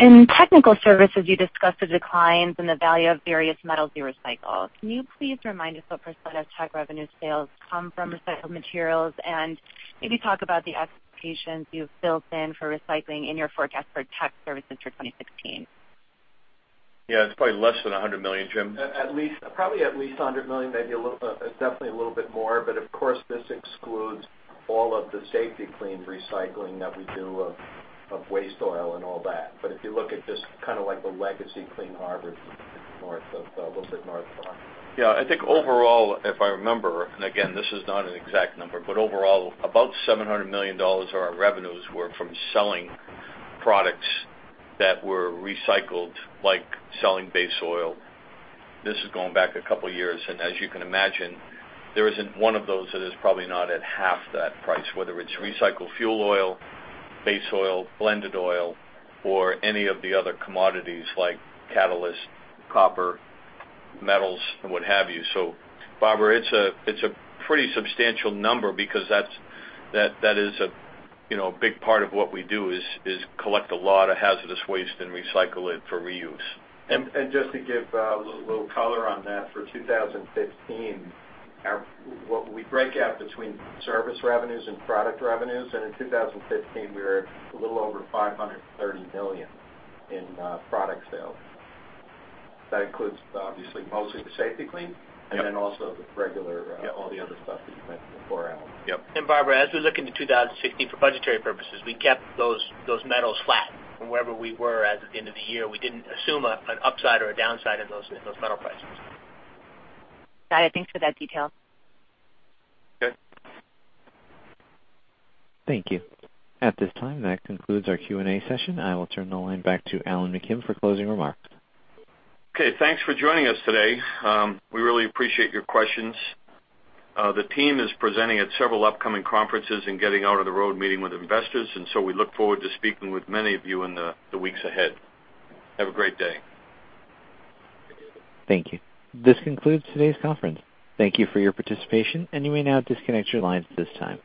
Morning. In technical services, you discussed the declines in the value of various metals recycling. Can you please remind us what percent of tech revenue sales come from recycled materials and maybe talk about the expectations you've built in for recycling in your forecast for Tech Services for 2016? Yeah. It's probably less than $100 million, Jim. At least. Probably at least $100 million, maybe definitely a little bit more. But of course, this excludes all of the Safety-Kleen recycling that we do of waste oil and all that. But if you look at just kind of like the legacy Clean Harbors a little bit north of a hundred. Yeah. I think overall, if I remember, and again, this is not an exact number, but overall, about $700 million of our revenues were from selling products that were recycled, like selling base oil. This is going back a couple of years. As you can imagine, there isn't one of those that is probably not at half that price, whether it's recycled fuel oil, base oil, blended oil, or any of the other commodities like catalysts, copper, metals, and what have you. Barbara, it's a pretty substantial number because that is a big part of what we do is collect a lot of hazardous waste and recycle it for reuse. Just to give a little color on that, for 2015, we break out between service revenues and product revenues. In 2015, we were a little over $530 million in product sales. That includes, obviously, mostly the Safety-Kleen and then also the regular, all the other stuff that you mentioned before ours. Yep. And Barbara, as we look into 2016 for budgetary purposes, we kept those metals flat from wherever we were as of the end of the year. We didn't assume an upside or a downside in those metal prices. Got it. Thanks for that detail. Okay. Thank you. At this time, that concludes our Q&A session. I will turn the line back to Alan McKim for closing remarks. Okay. Thanks for joining us today. We really appreciate your questions. The team is presenting at several upcoming conferences and getting out on the road meeting with investors. And so we look forward to speaking with many of you in the weeks ahead. Have a great day. Thank you. This concludes today's conference. Thank you for your participation, and you may now disconnect your lines at this time.